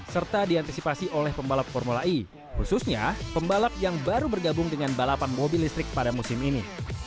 serta diantisipasi oleh pembalap formula e khususnya pembalap yang baru bergabung dengan balapan mobil listrik pada musim ini